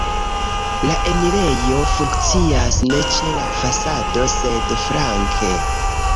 La enirejo funkcias ne ĉe la fasado, sed flanke.